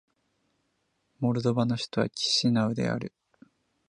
モルドバの首都はキシナウである